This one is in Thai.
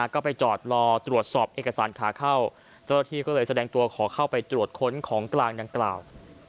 ก็ไปจอดรอตรวจสอบเอกสารขาเข้าเจ้าหน้าที่ก็เลยแสดงตัวขอเข้าไปตรวจค้นของกลางดังกล่าว